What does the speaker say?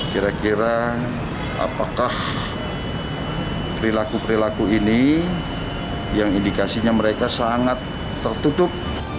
kira kira apakah perilaku perilaku ini yang indikasinya mereka sangat tertutup